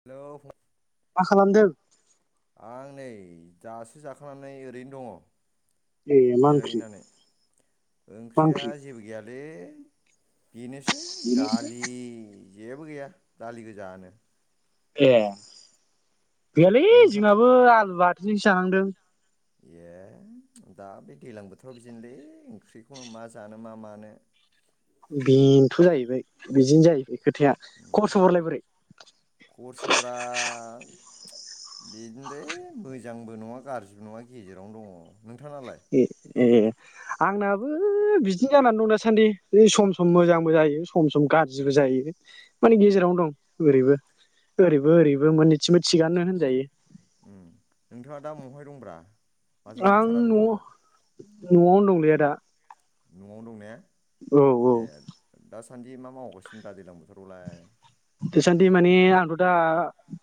Hello. मा खालामदों आं नै दासो जाखांनानै ओरैनो ए दङ। मा ओंख्रि जिरायनानै मा ओंख्रिया ओंख्रि जेबो गैयालै। बेनोसै दालि। जेबो गैया दालि गोजानो। ए। गैयालै नोंथां जिंनाबो आलु बा बि जाहांदों। ए दा बे दैज्लां बोथोराव बिदिनोलै ओंख्रिखौनो मा जानो मा मानो। बेनोथ' जाहैबाय बिदिनो जाहैबाय। खोथाया खबर सबरलाय बोरै? खरस'फ्रा बिदिनोलै मोजांबो नङा गाज्रिबो नङा गेजेरावनो दङ। नोंथाङालाय? ए ए आंनाबो बिदिनो जानानै दं दासान्दि सम सम मोजांबो जायो सम सम गाज्रिबो जायो। मानि गेजेरावनो दं ओरैबो ओरैबो ओरैबो मोननैथिंबो थिगानो होनजायो। उम नोंथाङा दा महाय दंब्रा? माथो आं नुथारा न नोंथांखौ न'आवनो दंलै आदा। न'आवनो दं ने? औ औ। सान्दि मा मावगासिनो ब्रा दैज्लां बोथोरावलाय। दासान्दि माने आंथ' दा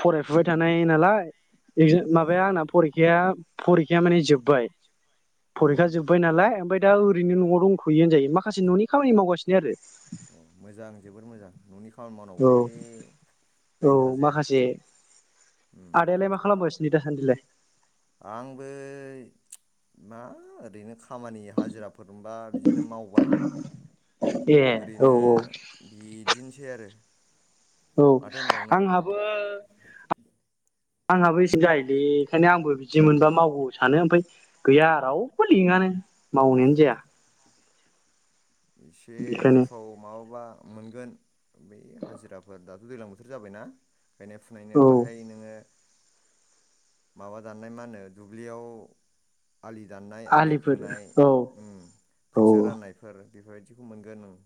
फरायफुबाय थानाय नालाय। एगजा औ माबाया आंना औ फरेखाया फरिखाया माने जोबबाय। फरिखा उम जोब्बाय नालाय ओमफाय दा ओरैनो न'आव दंथ'यो होनजायो माखासे न'नि खामानि मावगासिनो आरो। अ मोजां जोबोर मोजां न'नि खामानि औ मावनांगौलै औ ओरैनो थाजाया माखासे उम आदायालाय मा खालामगासि निदा सानदिलाय? आंबो मा ओरैनो खामानि हाजिरा फोर मोनबा बिदिनो मावबाय ए औ ओरैनो औ बिदिनोसै आरो। औ माथो होनबावनो आंहाबो आंहाबो [unintelligible] जायोलै ओंखायनो आंबो बिदि मोनबा मावगौ सानो ओमफाय गैया रावबो लिङानो मावनायानो जाया। एसे बेखायनो उनफ्राव माबाबा मोनगोन बै हाजिराफोर दाथ' दैज्लां बोथोर जाबायना। गायनाय फुनायनो औ बाहाय नोङो माबा दाननाय मा होनो दुब्लियाव आलि दाननाय आलि आलिफोर खोनाय औ उम ओ खोथिया राननायफोर बेबायदिखौ मोनगोन नों।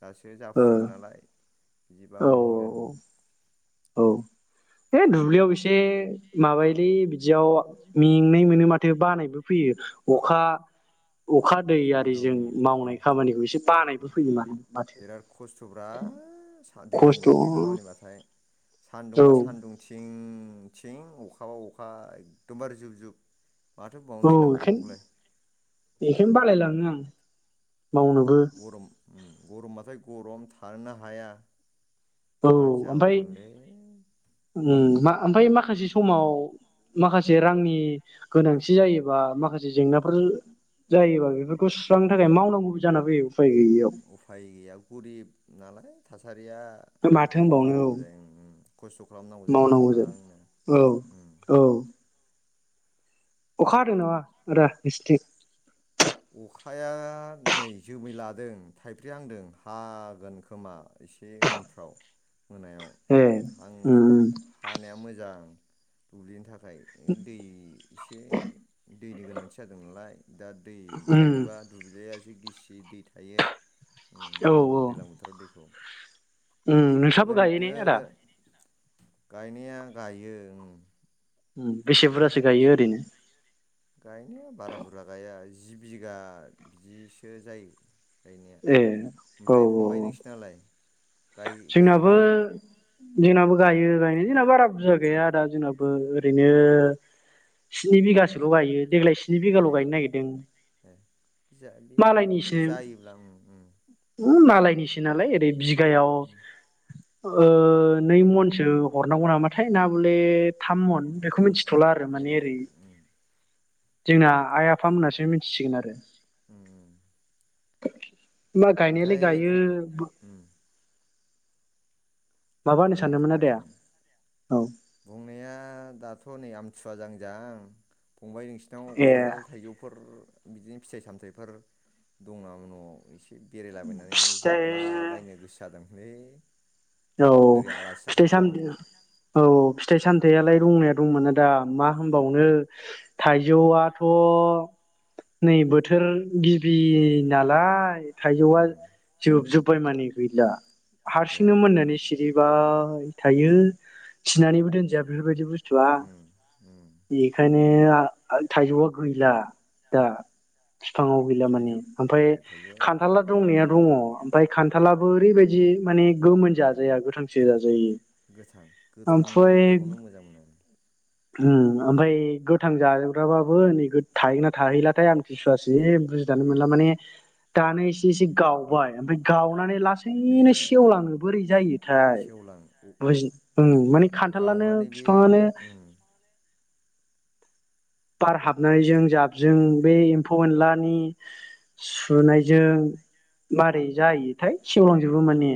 दासो औ जाफुदों नालाय। जिबा औ मोन हैगोन। औ। है दुब्लियाव एसे माबायोलै बिदियाव मेंनाय मोनो माथो बानायबो फैयो अखा अखा दै सानदुं आरिजों उम मावनाय खामानिखौ एसे बानायबो उम फैयो मानो माथो बिराद खस्थ'ब्रा दैज्लां खस्थ' बोथोरनि औ खामानिबाथाय। सान्दुंबा सान्दुं थिं थिं अखाबा अखा एकदमबारे जुब जुब। माथो बुंबावनो औ दैलां बेखायनो बोथोरखौलाय बेखायनो बालायलाङो आं मावनोबो गरम उम गरमबाथाय गरम थानोनो हाया। औ मा ओमफ्राय जाबावगोनलै उम मा ओमफ्राय माखासे समाव माखासे रांनि गोनांथि जायोबा माखासे जेंनाफोर जायोबा बेफोरखौ सुस्रांनो थाखाय मावनांगौबो जाना फैयो उफाय गैयियाव उफाय गैया गुरिब नालाय थासा रिया माथो बिदिखौ होनबावनो मावनांगौ औ जायो उम उम खस्थ' खालामनांगौ जायो गोबांनो। औ उम। औ अखा हादों नामा आदा नोंसिन्थिं? अखाया नै जोमै लादों थाइफ्रेहांदों हागोन खोमा एसे उनफ्राव मोनायाव। ए आंथ' उम हानाया मोजां। दैनि था खाय ऐ दै एसे दैनि गोनांथि जादों नालाय दा दै उम मोनोबा दुब्लिया जि गिसि दै थायो ओम औ नांगौ दैलां बोथोराव दैखौ। उम नोंसाबो गायो ने आदा? ओरैनो गायनाया गायो ओं। ओम बेसे बुरजासो बिदिनो गायो ओरैनो? गायनाया बारा बुरजा गाया जि बिगा बिदिसो जायो। गायनाया ए औ ओमफ्राय फंबाय नोंसिनालाय? गाय जोंनाबो गायखायो ने? जोंनाबो गायो गायनाय जोंनाबो बारा बुरजा गाया आदा जोंनाबो ओरैनो स्नि बिगासोल' गायो। देग्लाय स्नि ए बिगाल' गायनो नागिरदों। ए जा बे मालायनिसो जायोब्ला उम उम उम मालायनिसो नालाय ओरै बि गायाव ओ नै मनसो हरनांगौ नामाथाय ना बले थाम मन बेखौ मिथि थला आरो ए माने ओरै उम जोंना आइ आफामोनासो मिथिसिगोन आरो। उम उम। [inaudible] मा गायनायालाय ओमफ्राय गायो। फं उम माबा होनो गायनायाथ' सानदोंमोन गायो आदाया ओं औ बुंनाया दाथ' थ' नै आमथि सुवा जाहां जाहां फंबाय नोंसिनाव ए खान्थाल थाइजौफोर बिदिनो फिथाइ सामथाइफोर दं नामा न'आव इसे बेरायलाबायनानै फिथाइ जाद्लाबायनो गोसो जादों। हे औ औ फिथाइ साम औ औ फिथाइ सामनथाइआलाय दंनाया दंमोन दा मा होनबावनो थाइजौआथ' नै बोथोर गिबि नालाय थाइजौआ उम जोबजोबबाय माने। गैला। हारसिंनो ए। मोननानै सिरिबाय थायो। थिनानैबो दोनजाया बेफोरबायदि बुस्थुआ उम उम बेखायनो माने थाइजौआ गैला दा फिफाङाव गैला माने थाइजौ ए ओमफाय थाइजौ खान्थाला दंनाया दङ ओमफ्राय खान्थालाबो ओरैबायदि माने गोमोन उम जाया गोथांसो जाजायो गोथां ओमफ्राय गोथांखौनो मोजां मोनो आं ओम ओमफ्राय गोथां जाजाग्राबाबो नै गो थाहैगोन ना थाहैलाथाय आमथिसुवासिम बुजिनानो मोनला माने दानो इसे इसे गावबाय ओमफ्राय गाव नानै ए लासैनो सेवलाङो बोरै जायोथाय सेवलां बुजि ओम माने खान्थालानो गावनानै बे फिफाङानो उम बार हाबनायजों जाबजों बे एम्फौ एनलानि सुनायजों मारै जायोथाय सेवलांजोबो माने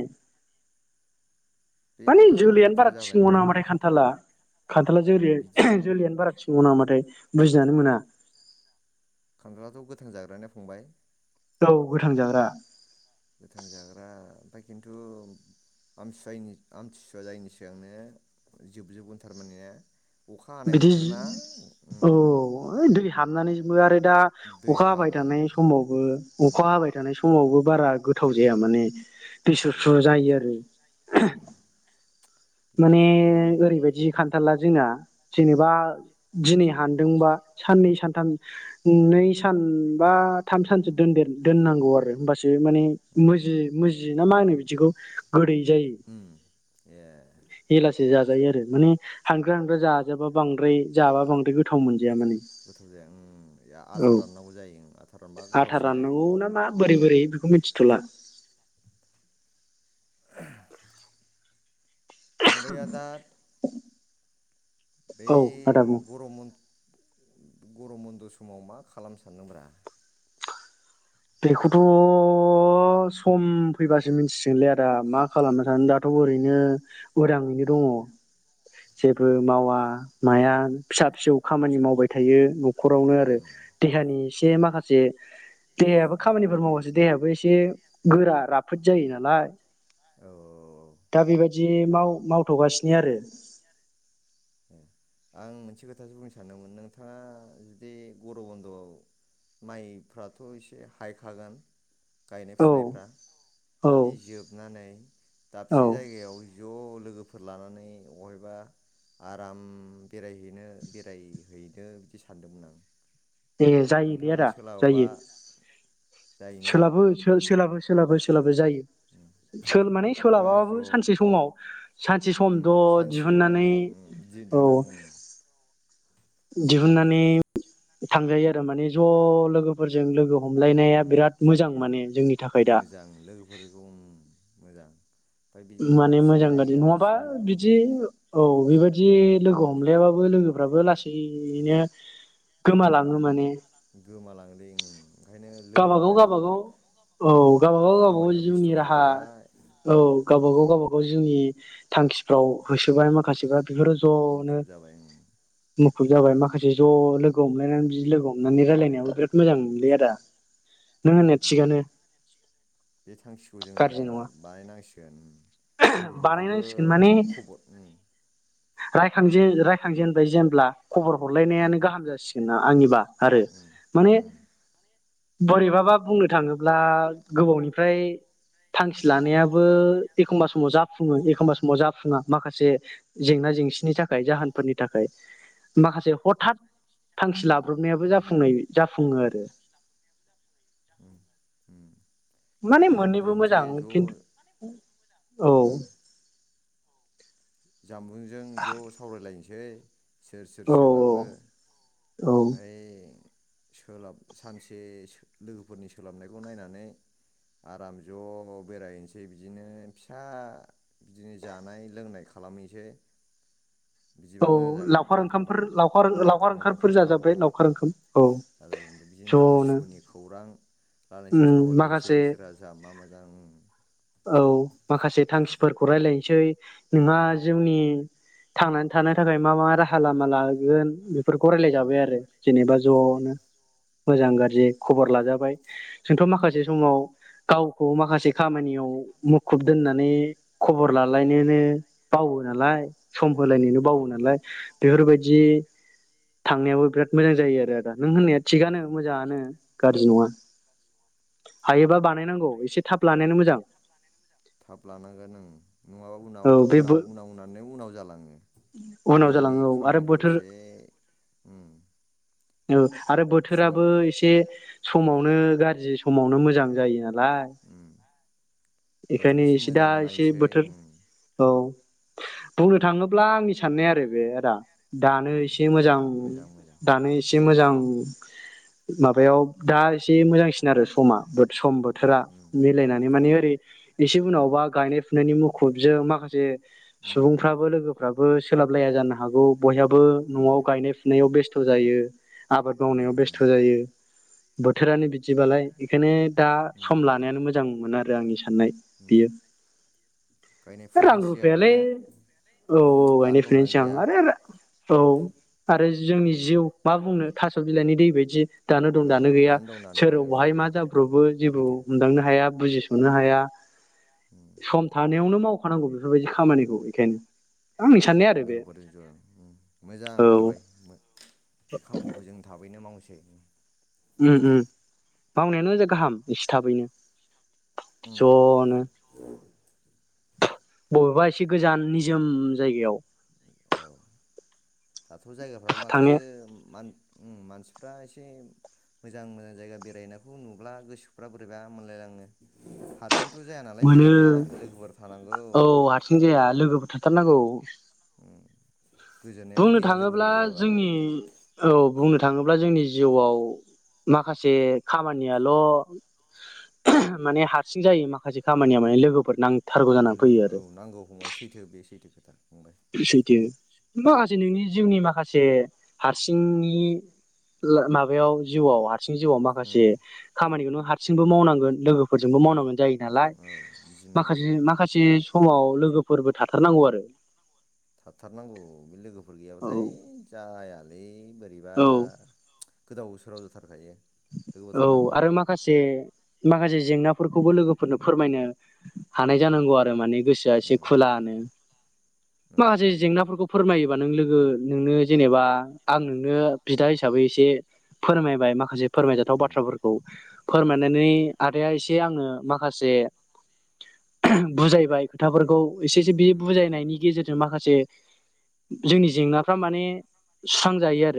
बे माने अखा जोलैयानो बोथोर बारा थिक जाबायना नङा उम नामाथाय खान्थाला खान्थाला जोरि बिदि जोलियानो बारा थिक नंगौ नामाथाइ बुजिनानै मोना खान्थालाथ' गोथां जाग्राना फंबाय औ गोथां जाग्रा गोथां जाग्रा ओमफ्राय खिन्थु आमथिसुवानि आमथिसुवा जायैनि सिगांनो जोबजोबगोन थारमाने ना अखा हानाय बिदि बोथोर ना औ उम ओ हाबनानैबो आरो दा दै अखा हाबाय हाबो ओं थानाय समावबो उम अखा हाबाय थानाय स फुङावबो बारा गोथाव जाया माने दैस्रुसु ए जायो आरो उम माने बेबोलै ओरैबायदि खान्थाला जोंना उम जेनेबा दिनै हानदोंबा साननै सानथाम नै सान बा थाम सानसो दोनदेर दोननांगौ आरो होमबासो माने उम मोजि मोजि जियो ना मा होनो बिदिखौ गोदै जायो उम ए एलासो जा जायोआरो माने हानग्रो हानग्रा जा जाबा बांद्राय जाबा बांद्राय गोथाव मोन गोथाव जाया ओम या औ आथा राननांगौ जायो ओम आथा रानबा गोथावसिन जायो थिथ'ला फंबाया दा बै औ आदा बुं गरम बन गरम बन्द' समाव मा खालामनो सानदोंब्रा बेखौथ' सम फैबासो मिन्थिसिगोनलै आदा मा खालामना थानो दाथ' ओरैनो उदाङैनो दङ' जेबो मावा माया फिसा फिसौ खामानि मावबाय थायो न' खरावनो आरो देहानि एसे माखासे देहायाबो खामानिफोर मावबासो देहायाबो एसे गोरा राफोद जायो नालाय। [unintelligible] दा बे बाय दि माव मावथ'गासिनो आरो। आं मोनसे खोथासो बुंनो सानदोंमोन नोंथाङा जुदि गर' बन्द'आव माइफ्राथ' एसे हायखागोन। गायनाय फुनायफ्रा औ इ जोबनानै औ दाबसे जायगायाव ज' लोगोफोर लानानै अहायबा आराम बेरायहैनो बेरायहैनो बिदि सानदोंमोन आं। ए जायोलै नोंथाङा आदा जायो सोलाबोबा जायोना सोलाबो सो सोलाबो सोलाबो सोलाबो जायो। सोल माने बेबा ज' सोलाबाबो सानसे समाव सानसे उम समद' सानसेल' नाङो दिहुननानै उम दिदु औ। नाङो दिहुननानै थांजायो आरो माने ज' लोगोफोरजों लोगो हमलायनाया उम बिराद मोजां माने जोंनि थाखाय दा। मोजां लोगोफोरखौ उम मोजां। ओमफ्राय बिदिनो माने दाबसे मोजां गारजि जायगायाव नङाबा एसे मोजां बिदि औ बेबायदि लोगो हमलायाबाबो लोगोफ्राबो लासै नो गोमालाङो माने गोमालाङोलै ओं। गाबागाव गाबागाव औ गावबागाव गावबागाव खामानियाव बेस्थ' जिउनि राहा थाजोब्बाय औ गावबागाव उम गावबागाव जिउनि थांखिफ्राव होसोबाय माखासेफ्रा बेफोराव ज'नो मुखुब जाबाय उम मु खुब जाबाय माखासे ज' लोगो हमलायनानै बिदि लोगो हमनानै रायलायनायाव बिराद मोजां मोनोलै आदा। नों होननाय उम थिगानो। बे थांखिखौ जोङो गाज्रि नङा बानायनांसि गोन। लोगोफोरखौबो खबर उम। रायखांजेन रायखांजेनबाय जेेनब्ला खबर हरलायनायानो उम गाहाम जासिगोन ना। आंनिबा आरो उम माने उम बोरैबाबा बुंनो थाङोब्ला गोबावनिफ्राय थांखि लानायाबो एखमबा समाव जाफुङो एखमबा समाव जाफुङा माखासे जेंना जेंसिनि थाखाय जाहोनफोरनि थाखाय माखासे हथात थांखि लाबो लाब्रबनायाबो जाफुंनाय जाफुङो आरो। [inaudible] उम उम। माने मोननैबो लोगोफोरजों खेबसे मोजां ज' खिन्थु औ उम जामबुंजों ज सावरायलायनोसै जे सोर सोर औ सोलाबो औ ओमफाय सोलाब सानसे लोगोफोरनि सोलाबनायखौ नायनानै आराम ज बेरायहैनोसै बिदिनो फिसा बिदिनो जानाय लोंनाय खालामहैनोसै बिदिबा औ मोजां जागोन लावखार ने ओंखामफोर फंबाय लावखार ओंखामफोर लावखार ओंखाम जाजाबाय लावखार ओंखाम औ जाजायो बिदिनो दुखु ज'नो सुखुनि खौरां लालायनोसै उम सावरायलायनोसै माखासे सोरबा जोंहा मा मा जां ओं औ माखासे थांखि फोरखौ रायलायनोसै नोंहा औ जिउनि थांनानै थानाय थाखाय मा मा राहा लामा लागोन? बेफोरखौ रायलाय उम जाबाय आरो जेनेबा उम जनो। मोजां गाज्रि खबर लाजाबाय जोंथ माखासे समाव गावखौ माखासे खामानियाव मुखुब दोननानै खबर लालायनोनो बावो नालाय। सम होलायनो बावो नालाय। बेफोरबायदि थांनायावबो बिराद मोजां जायो आरो आदा। नों होननाया उम थिगानो मोजाङानो। गाज्रि नङा हायोबा बानायनांगौ एसे थाब लानायानो मोजां। थाब लानांगोन ओं। नङाबा औ उनाव बे उनाव उनावनानै उनाव जालाङो उनाव ओंखायनो बे जालाङो औ आरो खामानिखौ बोथोर एसे उम्म औ। आरो बोथोराबो एसे समावनो गाज्रि समावनो मोजां जायो आरो। नालाय उम बोथोर बेखायनो एसे दा मोजांखौ एसे नायनोसै बोथोर उम औ बुंनो थाङोब्ला आंनि साननाया आरो बे आदा दानो उम एसे मोजां दानो एसे एसे मोजां माबायाव दा एसे मोजांसिन आरो समा बट सम ब बोथोरा उम मिलायनानै माने एसे उनावबा गायनाय फुनायनि मुखुबजों माखासे उम सुबुंफ्राबो लोगो फ्राबो सोलाबलाया जानो हागौ। बयहाबो उम न'आव गायनाय फुनायाव बेस थ' जायो आबाद मावनायाव बेस्थ' जायो बोथोरानो बिदिबालाय बेखायनो दा उम सम लानायानो मोजां मोजां मोन आरो आंनि साननाय उम बैयो रां गायनायफोरनि सिगां ने रुफायालै औ औ गायनाय दानो दंना फैनायसै आं गैया? आरो औ आरो जोंनि जिउ मा बुंनो थास' बिलाइनि दै बायदि दानो दं औ दानो गैया दं दानो सोर गैया बहाय ओं मा जाब्रबोजेबो सैथो हमदांनो हाया बुजिस'नो हाया उम सम थानायावनो मावखानांगौ बेफोरबायदि खामानिखौ बेखायनो आंनि साननाय आरो बे लोगोफोरजों ज आं मोजां औ आं फंबाय बे खामानिखौ जों थाबैनो मावसै ओम ओम मावनायानो गाहाम एसे थाबैनो उम ज'नो बबेबा एसे गोजान निजोम जायगायाव औ दाथ' जायगाफ्राव माथो थांनो मानसि फ्रा एसे मोजां मोजां जायगा बेरायनायखौ नुब्ला गोसोफ्रा बोरैबा मोनलायलाङो हारसिं थ' जाया नालाय मोनो बेरायनाया लोगोफोर थानांगौ औ हारसिं जाया लोगोफोर था थार नांगौ उ बुंनो थाङोब्ला जोंनि औ। बुंनो थाङोब्ला जोंनि जिउआव माखासे खामानियाल माने हारसिं जायो माखासे खामानिया माने लोगोफोर नांगौ। लोगो औ नांगौ फंबाय सैथो बे सैथो खोथा। फंबाय सैथो माखासे नोंनि जिउनि माखासे हारसिंनि माबायाव जिउआव हाय। हारसिंनि जिउआव माखासे उम खानिखौनो हारसिं। हारसिंबो मावनांगोन लोगोफोरजोंबो। फोरजोंबो औ मावनांगोन जायो नालाय औ बिदिनो औ माखासे माखासे। समाव लोगोफोरबो थाथारनांगौ आरो। थाथारनांगौ बे लोगोफोर औ गैयाबाथाय जायालै बोरैबा। औ बोरैबा। गोदाव सोराव जाथारखायो। लोगोफोर औ थानांगौ आरो माखासे माखासे। जेंनाफोरखौबो लोगोफोरनो फोरमायनो। हानाय उम जानांगौ आरो माने गोसोआ एसे उम खुलानो नंगौ माखासे फंबाय नंगौ। जेंनाफोरखौ फोरमायोबा नों लोगो। नोंनो जेनेबा आं नोंनो बिदा हिसाबै एसे फोरमायबाय माखासे। फोरमायजाथाव उम बाथ्राफोरखौ उम फोरमायनानै आदाया एसे। आंङो माखासे बुजायबाय। खोथाफोरखौ एसे एसे उम बे उम बुजायनायनि गेजेरजों। माखासे जोंनि जेंनाफ्रा माने सुस्रांजायो आरो।